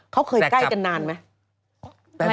เขาเคยใกล้กันนานไหม